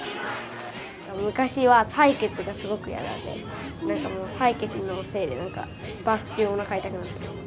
昔は採血がすごく嫌で、なんかもう採血のせいで、なんかバスの中でおなか痛くなったりとかして。